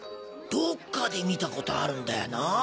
どっかで見たことあるんだよなぁ